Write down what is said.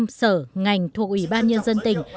tỉnh lai châu là một nhà sở ngành thuộc ủy ban nhân dân tỉnh